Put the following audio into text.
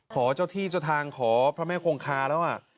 ขอเจ้าที่เจ้าทางขอพระแม่คงคาแล้ว